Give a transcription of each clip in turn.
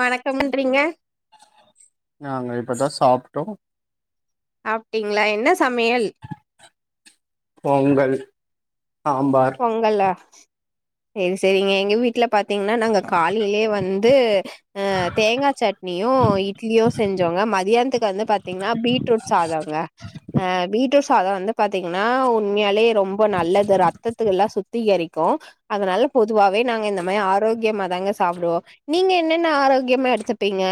வணக்கமுன்றிங்க பதா சாப்ட்டோ அப்டீங்ளா என்ன சாப் பொங்கல் சாம்பார் பொங்கல்ல சேரி சேரிங்க எங்க வீட்ல பாத் தீங்னா நாங்க காலைலெயே வந்து தேங்கா சட்னியு இட்லியு செஞ்சோங்க மதியான்த்துக்கு வந்து பாத்தீங்கனா பீட்ரூட் சாதொங்க அ பீட்ரூட் சாதொ வந்து பாத்தீங்னா உண்மையாலே ரொம் ம்ப நல்லது ரத் தத்துகல்லா சுத்திகரிக்கு அதுனால பொதுவாவே நாங்க இந்த மாரி ஆரோக்கியமா தாங்க சாப்புடுவோ நீங்க என்னென்ன ஆரோக்கியமா எடுத்துப்பீங்க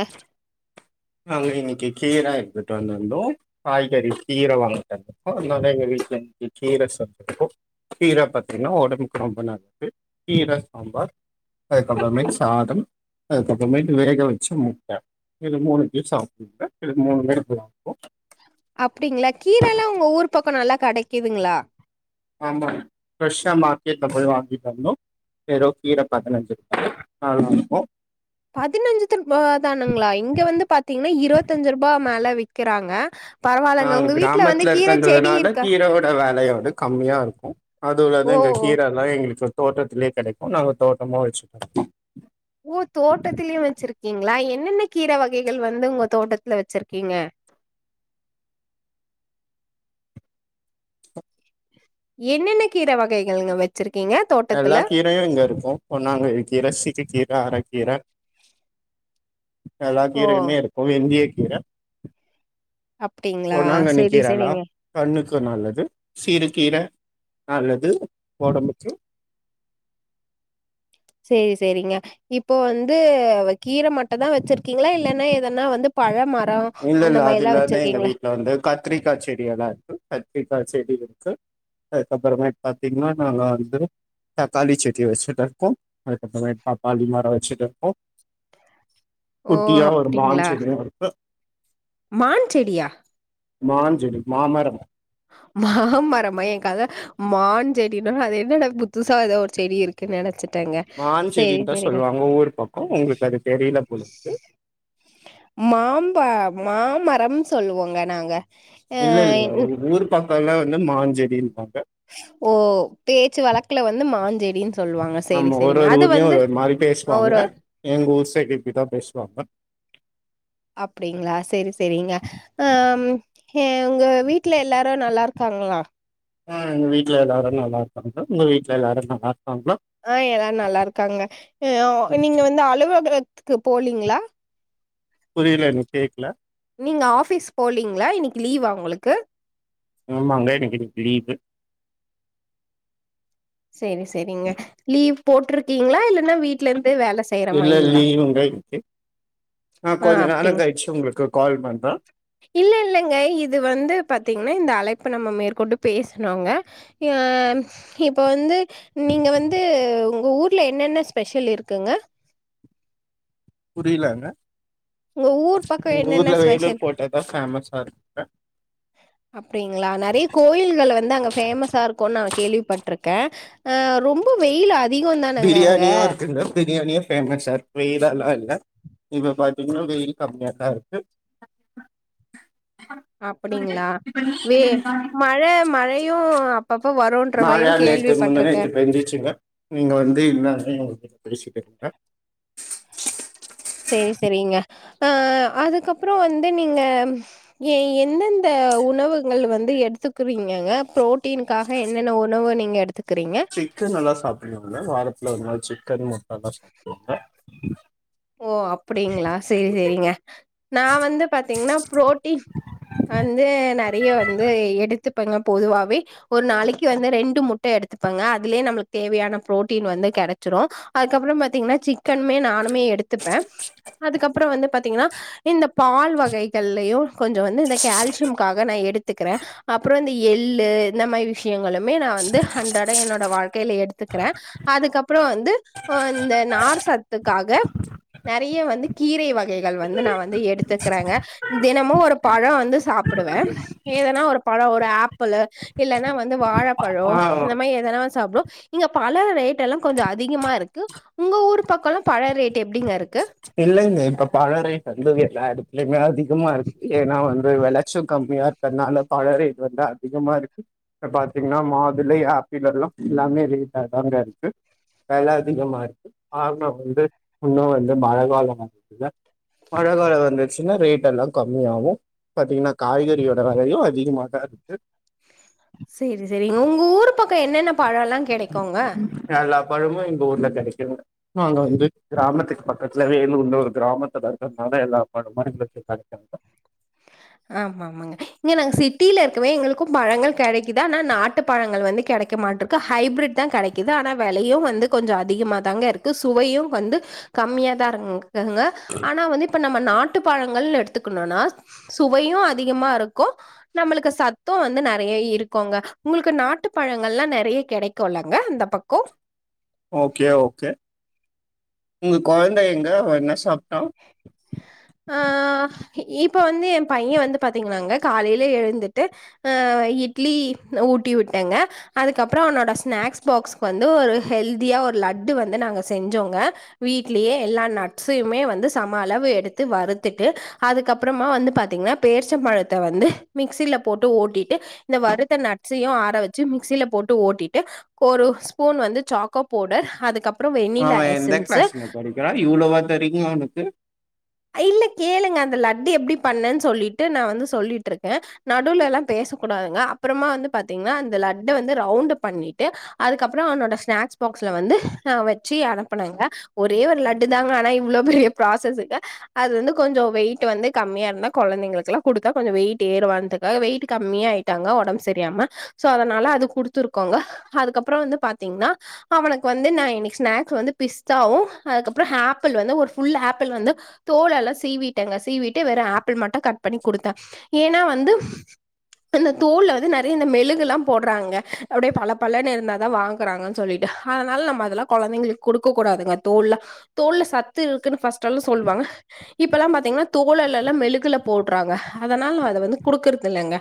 நாங்க இன்னக்கி கீர எடுத்துட்டு வந்துருந்தோ காய்கறி கீர வாங்கிட்டு வந்துருக்கோ அதனால எங்க வீட்ல இன்னக்கி கீர செஞ்சிருக்கோ கீர பாத்தீங்னா ஒடம்புக்கு ரொம்ப நல்லது கீர சாம்பார் அதுக்கப்புறமேட்டு சாதம் அதுக்கப்புறமேட்டு வேக வச்சு முட்ட இது மூணு து சாப்டுப்பே இது‌ முணுமே [unintelligible] அப்டிங்களா கீரல்லா உங்க ஊர் பக்க நல்லா கடைக்கிதுங்ளா ஆமா ஃப்ரெஷ்ஷா மார்க்கெட்ல போய் வாங்கிட்டு வந்தோம் வெறோ கீர பதினஞ்சு ரூபா நல்லாருக்கு பதினஞ்சு ரூபா தானுங்களா இங்க க்கிறாங்க நாங்க கிராமத்துல இருக்கன்றதுனால இருக்கா கீரோட வேலையு து கம்மியா இருக்கு ஓ அதோடதா எங்க கீரல்லா எங்களுக்கு தோட்டத்திலே கெடைக்கு நாங்க தோட்டமா வச்சுட்டோ ஓ தோட்டத்திலயு வச்சிருக்கீங்ளா என்னென்ன கீர வகைகள் வந்து உங்க தோட்டத்துல வச்சிருக்கீங்க என்னென்ன கீரை வகைகள்ங்க வச்சிருக் எல்லா கீரையு இங்க இருக்கு பொன்னாங்கனி கீர சிறு கீர அரக்கீர எல்லா ஓ கீரையுமேருக்கு வெந்திய கீர அப்டிங்களா பொன்னாங்கண்ணி செரி கீரல்லா செரிங்க கண்ணுக்கு நல்லது சிறு கீர நல்லது ஒடம்புக்கு சேரி சேரிங்க இப்போ வந்து கீர மட்டும் தா வச்சிருக்கீங்களா இல்லனா எதனா வந்து பழ மரோ இல்ல அந்த இல்ல அது மாரில்லா இல்ல எங்க வச்சிருக்கீங்களா வீட்டுல வந்து கத்திரிக்காய் செடி எல்லாம் இருக்கு கத்திரிக்காய் செடி இருக்கு அதுக்கப்புறம் பாத்தீங்கன்னா நாங்க வந்து தக்காளி செடி வச்சுட்டு இருக்கோம் அதுக்கப்புறம் பாப்பாளி மரம் வச்சுட்டு இருக்கோம் ஓ குட்டியா ஒரு மான் அப்டிங்களா செடியும் இருக்கு மான் செடியா மாஞ்செடி மாமரம் மாமரமா என கதை மான் செடினா அது என்னடா புதுசா ஏதோ ஒரு செடி இருக்குன்னு நெனைச்சே மான் செடின்னு தா சொல்லுவாங்க ஊர் பக்கம் உங்களுக்கு அது தெரியல போல உம் மாம்பழ மாமரம் சொல்லுவோங்க நாங்க அ இல்ல இல்ல என் உங்க ஊர் பக்கெல்லாம் வந்து மாஞ்செடி ஓகே ஓ பேச்சு வழக்குல வந்து மாஞ்செடினு ஆமா ஒரு ஒரு ஊர்லயும் ஒரு ஒரு மாரி பேசுவாங்க ஒரு எங்க ஊர் சைடு இப்படிதான் பேசுவாங்க அப்படிங்களா செரி செரிங்க ஆஹ் உங்க வீட்டுல எல்லாரும் நல்லா இருக்காங்களா உம் எங்க வீட்டுல எல்லாரும் நல்லா இருக்காங்க உங்க வீட்டுல எல்லாரும் நல்லா இருக் ஆஹ் எல்லாரும் நல்லா இருக்காங்க ஆஹ் நீங்க வந்து அலுவலகத் துக்கு போலிங்களா புரியல நீ கேக்கல நீங்க ஆபீஸ் போலிங்களா இன்னைக்கு லீவா உங்களுக்கு ஆமாங்க எனக்கு இன்னைக்குலீவு செரி செரிங்க லீவ் போட்டிருக்கீங்களா இல்லைன்னா வீட்டுல இருந்து வேல செய்யற இல்ல மாரிங்களா லீவுங்க இன்னைக்கு நான் ஆ கொஞ்சம் நேரம் அப்டிங் கயிச்சு உங்களுக்கு கால் பண்றேன் இல்ல இல்லங்க இது வந்து பாத்தீங்கன்னா இந்த அழைப்ப நம்ம மேற்கொண்டு பேசனோங்க அஹ் இப்ப வந்து நீங்க வந்து உங்க ஊர்ல என்னென்ன ஸ்பெஷல் இருக்குங்க புரியலங்க உங்க ஊர் பக்கம் எங்க என்னென்ன ஊர்ல வேலூர் ஸ்பெஷல் கோட்டை தான் ஃபேமஸா இருக்கு அப்படிங்களா நிறைய கோயில்கள் வந்து அங்க ஃபேமஸா இருக்கும்னு நான் கேள்விப்பட்டிருக்கேன் ஆஹ் ரொம்ப வெயிலா அ பிரியாணி இருக்குங்க பிரியாணி எங்க சர்ப்ரைஸ்சா எல்லாம் இல்ல இப்ப பாரத்திங்கன்னா வெயில் கம்மியாத்தா இருக்கு அப்படிங்களா வே மழை மழையும் அப்பப் மழ நேத்து முந்தா நேத்து பெஞ்சிருச்சுங்க நீங்க வந்து இல்லங்கிறீங்க நீங்க பேசிட்டு இருங்க செரி செரிங்க ஆஹ் அதுக்கப்புறம் வந்து நீங்க எந்தெந்த உணவுகள் வந்து எடுத்துக்குறீங்கங்க ப்ரோட்டீன்க்காக என்னென்ன உணவு நீங்க எடுத்துக் சிக்கன் நல்லா சாப்பிடும்ல வாரத்துல ஒரு நாள் சிக் கறி மட்டனெல்லாம் சாப்பிடுவாங்க ஓ அப்படிங்களா சேரி சேரிங்க நா வந்து பாத்தீங்கன்னா புரோட்டீன் வந்து நிறைய வந்து எடுத் எடுத்துப்பாங்க பொதுவாவே ஒரு நாளைக்கு வந்து ரெண்டு முட்டை எடுத்துப்பங்க அதுல நம தேவையான புரோட்டின் வந்து கிடைச்சிடும் அதுக்கப்பறம்த்தீங்கன்னா சிக் சிக்கனுமே நானுமே எடுத் எடுத்துப்பேன் அதுக்கப்பறம் வந்து பாத்தீங்கன்னா இந்த பால் வகைகள்லயும் கொஞ்ச வந்து இந்த கால்சியம்காக நான் எடுத் எடுத்துக்கிறேன் அப்பறம் இந்த எள்ளு இந்த மாதிரி விஷயங்களுமே நான் வந்து அண்றாட என்னோட வாழ்க்கையில எடுத்துக்கிறேன் அதுக்கப்பறம் வந்து இந்த நார் சத்துக்காக நிறைய வந்து கீரை வகைகள் வந்து நான் வந்து எடுத்துக்கிறேங்க தினமும் ஒரு பழம் வந்து சாப்பிடுவேன் ஏதனா ஒரு பழம் ஒரு ஆப்பிள் இல்லைன்னா வந்து வாழப் பழம் ஆஹ் இந்தமாரி ஏதானா சாப்பிட இங்க பழ ரேட் எல்லாம் கொஞ்ச அதிகமா இருக்கு உங்க ஊர் பக்கம்லாம் பழ ரேட்டை எப் எப்படிங்க இருக்கு இல்ல இல்ல இப்ப பழ ரேட் வந்து எல்லா இடத்துலயுமே அதிகமா இருக்கு ஏன்னா வந்து விளைச்சு கம்மியா இருக்கிறதுனால பழ ரேட் வந்து அதிகமா இருக்கு இப்ப பாத்தீங்கன்னா மாதுல ஆப்பிள எல்லாம் எல்லாமே ரேட் தாங்க இருக்கு வில அதிகமா இருக்கு ஆங்கம் வந்து இன்னும் வந்து மழை காாலம் வந்து மழை காலம் வந்துச்சுன்னா ரேட் எல்லாம் கம்மிய ஆகும் பா்த்தீங்கன்னா காய்கறியோட விலையும் அதிகமாக தான் இருக்கு சேரி சேரி உங்க ஊரு பக்கம் என்னென்ன பழம் எல்லாம் கிடைக்குங்க பழமும் எங்க ஊர்ல கிடைக்குங்க அங்க வந்து கிராமத்துக்கு பக்கத்துல வேலூர் இன்ன ஒரு கிராமத்தை வசிக்கறதுனால எல்லா பழமும் எங்களுக்கு கிடைக்குங்க ஆமா ஆமாங்க இங்க நாங்க சிட்டியில இருக்கவே எங்களுக் பழங்கள் கிடைக்குதான் ஆனா நாட் நாட்டு பழங்கள் வந்து கிடைக்க மாட்ட இருக்கு ஹைபிரிட் தான் கிடைக்குது ஆனா விலையும் வந்து கொஞ்சம் அதிகமா தாங்க இருக்கு சுவையும் வந்து கம்மியாக தான் இரு ங்க ஆனா வந்து இப்ப நம்ம நாட்டுப்பழங்கள் எடுத்துக்கணும்னா சுவையும் அதிகமா இருக்கும் நம்மளுக்கு சத்தும் வந்து நிறைய இருக்குங்க உங்களுக்கு நாட்டு பழங்கள் எல்லாம் நிறைய கிடைக்கும்லங்க அந்த பக்கம் ஓகே ஓகே உங்க குழந்தை எங்க அவ என்ன சாப்பிட்டா ஆ இப்ப வந்து என் பையன் வந்து பாத்தீங்கன்னாங்க காலையில எழுந்துட்டு ஆஹ் இட்லி ஊட்டி விட்டங்க அதுக்கப்பறம் அவனோட ஸ்நாக்ஸ் பாக்ஸ்க்கு வந்து ஒரு ஹெல்தியா ஒரு லட்டு வந்து நாங்க செஞ்சோங்க வீட்லயே எல்லா நட்ஸ் யுமே வந்து சம அளவு எடுத் வறுத்துட்டு அதுக்கப்பறமா வந்து பா்த்தீங்கன்னா பேரிச்சம்பழத்த வந்து மிக்சில போட்டு ஓட்டிட்டு இந்த வருத்த நட்ஸையும் ஆர வச்சு மிக்சியில போட்டு ஓட்டிட்டு ஒரு ஸ்பூன் வந்து சாக்கோ பவுடர் அதுக்கப் அவன் எந்த கிளாஸ்ங்க படிக்கிறான் இவ்வளவு வா தரிங்க அவனுக்கு இல்ல கேளுங்க அந்த லட்டு எப்டி பண்ணேன்னு சொல்லிட்டு நான் வந்து சொல்லிட்டு இருக்கேன் நடுல எல்லாம் பேச கூடாதுங்க அப்பறமா வந்து பாத்தீங்கன்னா அந்த லட்டை வந்து ரவுண்ட் பண்ணிட்டு அதுக்கப்பறம் அவனோட ஸ்நாக்ஸ் பாக்ஸ்ல வந்து வச்சு அனுப்புனேங்க ஒரே ஒரு லட்டு தாங்க ஆனா இவ்வளவு பெரிய ப்ராசஸ்ங்க அது வந்து கொஞ்சம் வெயிட் வந்து கம்மியா இருந்தா குழந்தைங்களுக்கெல்லாம் கொடுத்தா கொஞ்சம் வெயிட் ஏறுவானதுக்காக வெயிட் கம்மியா ஆயிட்டாங்க உடம்பு சரியாம சோ அதனால அது குடுத்துருக்கேங்க அதுக்கப்பறம் வந்து பாத்தீங்கன்னா அவனுக்கு வந்து நான் இன்னைக்கு ஸ்நாக்ஸ் வந்து பிஸ்தாவும் அதுக்கப்பறம் ஆப்பிள் வந்து ஒரு ஃபுல் ஆப்பிள் வந்து தோல எல்லாம் சீவிட்டேங்க சீவிட்டு வேற ஆப்பிள் மட்டும் கட் பண்ணி கொடுத்தேன் ஏன்னா வந்து இந்த தோல்ல வந்து நிறைய இந்த மெழுகெல்லாம் போடுறாங்க அப்படியே பல பலன்னு இருந்தா தான் வாங்குறாங்கன்னு சொல்லிட்டு அதனால நம்ப அதெல்லாம் குழந்தைங்களுக்கு கொடுக்க கூடாதுங்க தோல்ல தோல் ல சத்து இருக்குன்னு ஃபர்ஸ்ட் எல்லாம் சொல்லுவாங்க இப்பல்லாம் பா்த்தீங்கன்னா தோழல்ல எல்லாம் மெழுகுல போடுறாங்க அதனால அத வந்து குடுக்குறத இல்லைங்க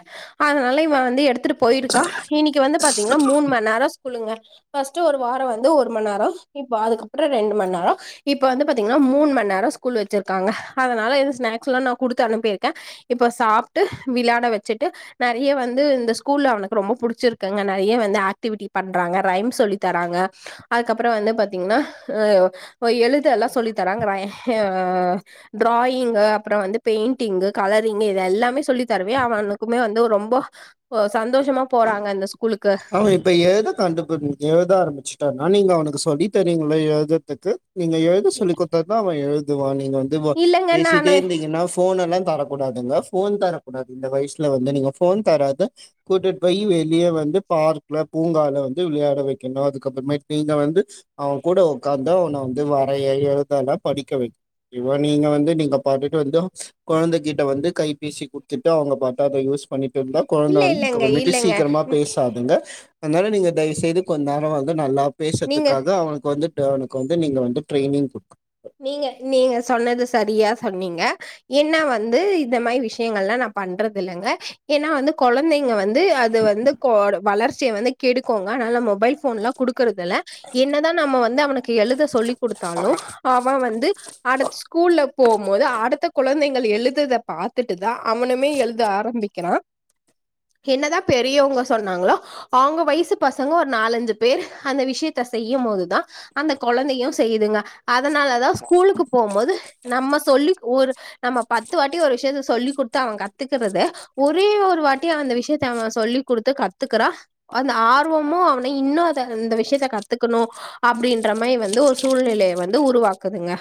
அதனால இவன் வந்து எடுத்துட்டு போயிருக்கான் இன்னைக்கு வந்து பாத்தீங்கன்னா மூணு மணி நேரம் ஸ்கூளுங்க பர்ஸ்ட் ஒரு வாரம் வந்து ஒரு மணி நேரம் இப்ப அதுக்கப்பறம் ரெண்டு மணி நேரம் இப்ப வந்து பாத்தீங்கன்னா மூணு மணி நேரம் ஸ்கூல் வச்சி இருக்காங்க அதனால எதுவும் ஸ்நாக்ஸ்லாம் நான் கொடுத்து அனுப்பியிருக்கேன் இப்போ சாப்பிட்டு விளையாட வச்சுட்டு நிறைய வந்து இந்த ஸ்கூல அவனுக்கு ரொம்ப பிடிச்சிருக்கங்க நிறைய வந்து ஆக்ட்டிவிட்டி பண்ணுறாங்க ரைம் சொல்லி தராங்க அதுக்கப்பறம் வந்து பார்த்தீங்கன்னா எழுத ஆஹ் எல்லாம் சொல்லி தராங்க ஆஹ் டிராயிங்கு அப்பறம் வந்து பெயிண்டிங் கலரிங் இது எல்லாமே சொல்லி தரவே அவனுக்குமே வந்து ரொம்ப சந்தோஷமா போறாங்க அந்த ஆமா இப்ப எத கண்டுபுடிச் எழுத ஆரமிச்சுட்டானு ஆ நீங்க அவனுக்கு சொல்லி தரீங்களா எழுதிரத்துக்கு நீங்க எழுத சொல்லி கொடுத்தாதா அவன் எழு இது வானி நீங்க வந்து இல்லங்க நானு பேசிட்டே இருந்தீங்கன்னா போன் எல்லாம் தரக்கூடாதுங்க போன் தரக்கூடாது இந்த வயசுல வந்து நீங்க போன் தராத கூட்டிட்டு போய் வெளியே வந்து பார்க்ல பூங்கால வந்து விளையாட வைக்கணும் அதுக்கப்புறமே நீங்க வந்து அவன் கூட உக்காந்து அவனை வந்து வரைய எழுதல படிக்க வைக்க நீங்க வந்து நீங்க பார்த்தட்டு வந்து குழந்தைகிட்ட வந்து கைபேசி குடுத்துட்டு அவங்க பார்த்த அதை யூஸ் பண்ணி இருந்தா குழந்தை இல்ல வந்து இல்லங்க கவர்ட்டு இல்லங்க சீக்கிரமா பேசு அதுங்க அதனால நீங்க தயவு செய்து கொஞ்ச நேரம் வந்து நல்லா நீங்க பேசுறதுக்காக அவனுக்கு வந்து அவனுக்கு வந்து நீங்க வந்து ட்ரைனிங் கொடுக்கனு நீங்க நீங்க சொன்னது சரியா சொன்னீங்க என்ன வந்து இந்த மாதிரி விஷயங்கல்லாம் நான் பண்றது இல்லைங்க ஏன்னா வந்து குழந்தைங்க வந்து அது வந்து வளர்ச் வளர்சிய வந்து கெடுக்குங்க அதனால மொபைல் போன்லாம் கொடுக் கறதுல என்னதான் நம்ம வந்து அவனுக்கு எழுத சொல்லி் கொடுத்தாலும் அவ வந்து அடுத்த ஸ்கூல்ல போகும்போது அடுத்த குழந்தைகள் எழுதுறத பார்த்துட்டு தான் அவனுமே எழுத ஆரம்பிக்கிறான் என்னதான் பெரியவங்க சொன்னாங்களோ அவங்க வயசு பசங்க ஒரு நாலஞ்சு பேர் அந்த விஷயத்த செய்யும் போதுதான் அந்த குழந்தையும் செய்யுதுங்க அதனாலதான் ஸ்கூலுக்கு போகும்போது நம்ம சொல்லி ஒரு நம்ம பத்து வாட்டி ஒரு விஷயத்த சொல்லிக் கொடுத்து அவன் கத்துக்கறத ஒரே ஒரு வாட்டி அந்த விஷயத்த அவன் சொல்லி் கொடுத்து கத்துக்கறா அந்த ஆர்வமும் அவனை இன்னும் அத இந்த விஷயத்த கத்துக்கணும் அப்படின்ற மாதிரி வந்து ஒரு சூழ்நிலையை வந்து உருவாக்குதுங்க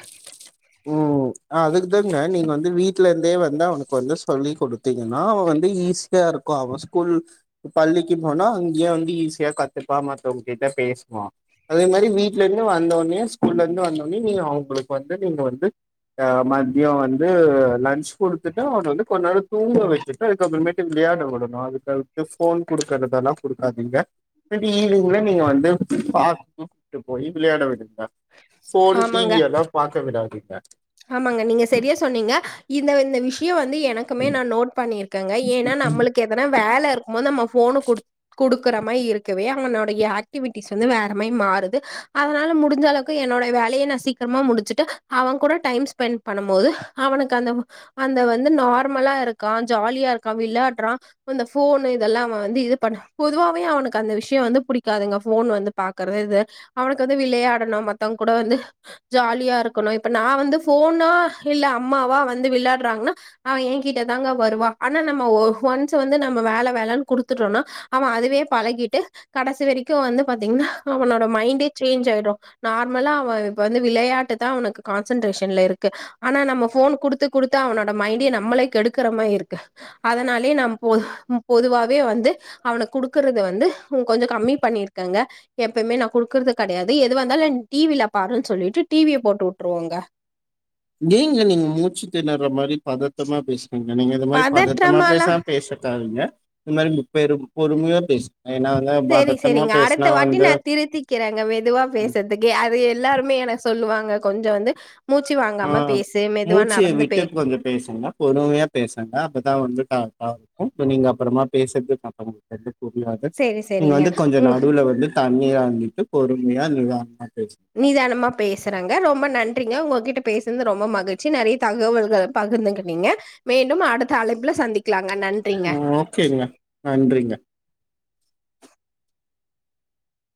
ம் அதுக்குதாங்க நீங்க வந்து வீட்டு்ல இருந்தே வந்து அவனுக்கு வந்து சொல்லிக் கொடுத்தீங்கன்னா அவன் வந்து ஈஸியா இருக்கும் அவன் ஸ்கூல் பள்ளிக்கு போனா அங்கேயே வந்து ஈஸியா கத்துப்பான் மத்தவங்க கிட்ட பேசுவான் அதே மாதிரி வீட்டுல இருந்து வந்தவுடனே ஸ்கூல்ல இருந்து வந்தோடனே நீ அவங்களுக்கு வந்து நீங்க வந்து அஹ் மதியம் வந்து லஞ்ச் கொடுத்துட்டு அவர் வந்து கொஞ்ச நாழி தூங்க வச்சுட்டு அதுக்கப்புற மேட்டு விளையாட விடணும் அதுக்கடுத்து போன் குடுக்கறதெல்லாம் குடுக்காதீங்க சரி இதுக்கு முன்னாடி நீங்க வந்து பாத்து போய் விளையாட விடுங்க போன் ஆமாங்க டிவி எல்லா பாக்க விடாதீங்க பி யேக் ஆமாங்க நீங்க சரியா சொன்னீங்க இந்த இந்த விஷயம் வந்து எனக்குமே நான் நோட் பண்ணியிருக்கேங்க ஏன்னா நம்மளுக்கு எதன வேலை இருக்கும் போது நம்ம போன் கொடுத் கொடு க்கிற மாதிரி இருக்கவே அவனுடைய ஆக்டிடீவ்ஸ் வந்து வேற மாதிரி மாறுது அதனால முடிஞ்ச அளவுக்கு என்னோட வேலையை நான் சீக்கிரமா முடிச்சுட்டு அவன் கூட டைம் ஸ்பெண்ட் பண்ணும் போது அவனுக்கு அந்த அந்த வந்து நார்மலா இருக்கான் ஜாலியா இருக்கான் விளையாடுறான் அந்த போன் இதெல்லாம் அவன் வந்து இது பண்ண பொதுவாவே அவனுக்கு அந்த விஷயம் வந்து பிடிக்காதுங்க போன் வந்து பார்கறது இது அவனுக்கு வந்து விளையாடணும் மத்தவங்க கூட வந்து ஜாலியா இருக்கணும் இப்போ நான் வந்து போனா இல்ல அம்மாவா வந்து விளையாடுறாங்கன்னா அவன் ஏ கிட்ட தாங்க வருவா ஆனா நம்ம ஒ ஒன்ஸ் வந்து நம்ம வேலை வேலைன்னு குடுத்துட்டோம்னா அவன் அதுவே பழகிட்டு கடைசி வரைக்கும் வந்து பார்த்தீங்கன்னா அவனோட மைண்டே சேஞ்ச் ஆயிடும் நார்மலா அவன் இப்ப வந்து விளையாட்டு தான் அவனுக்கு கான்சன்ட்ரேஷன் இல்ல இருக்கு ஆனா நம்ம போன் கொடுத்து குடுத்து அவனோட மைண்ட நம்மளே கெடுக்கற மாதிரி இருக்கு அதனாலயே நா பொதுவாவே வந்து அவனை கொடுக்கறது வந்து கொஞ்சம் கம்மி பண்ணிருக்கேங்க எப்பயுமே நான் குடுக்கறது கிடையாது எது வந்தாலும் டிவில பாருன்னு சொல்லிட்டு டிவிய போட்டு விட்டுருவேங்க ஏங்க நீங்க முச்சுத்தேனர மாதிரி பதட்டமா பேசுறீங்க நீங்க இது மாதிரி பதட்டமா பேசா பதற்றமாலாம் பேசக்காதீங்க இருந்தாலும் பொறுமையா பேசுங்க ஏன்னா வந்து சரி பதட்டமா சரிங்க அடுத்த பேசுனா வாட்டி வந்து நான் திருத்திக்கிறேங்க மெதுவா பேசுறதுக்கு அது எல்லாருமே என சொல்லுவாங்க கொஞ்சம் வந்து மூச்சு வாங்காம ஆஹ் பேசு, மெதுவா மூச்சிய நடந்து பே விட்டு கொஞ்சம் பேசங்க பொறுமையா பேசங்க அப்பதான் வந்து கரெக்டா இருக்கு நீங்க அப்புறமா பேசுறது தப்பா புரியாது சரி, நீங்க சரிங்க. வந்து கொஞ்சம் ம் நடுவுல வந்து தண்ணீ வாங்கிட்டு பொறுமையா நிதாணமா பேசங்க றிங்க உங்ககிட்ட பேசது ரொம்ப மகிழ்ச்சி நிறைய தகவல்கள் பகிர்ந்துக்கின்னுங்க மீண்டும் அடுத்த அழைப்புல சந்திக் ஆஹ ஓகேங்க நன்றிங்க